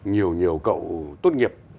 nhiều nhiều cậu tốt nghiệp